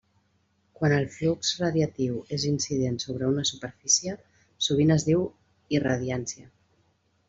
Quan el flux radiatiu és incident sobre una superfície, sovint es diu irradiància.